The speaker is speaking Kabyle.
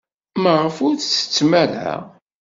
Maɣef ur tettettem ara?